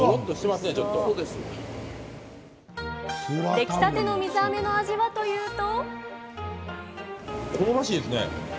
出来たての水あめの味はというと。